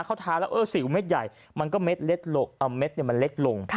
เข้าท้าแล้วเออสิวเม็ดใหญ่มันก็เม็ดเล็กลงเอาเม็ดมันเล็กลง